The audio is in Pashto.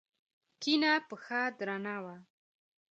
کيڼه پښه درنه وه.